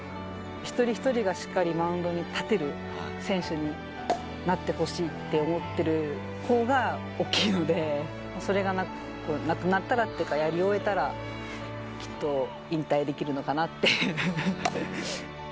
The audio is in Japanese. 一人一人がしっかりマウンドに立てる選手になってほしいって思ってるほうが大きいので、それがなくなったらっていうか、やり終えたら、きっと引退できるのかなって。